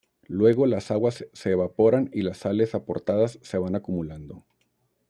Luego las aguas se evaporan y las sales aportadas se van acumulando.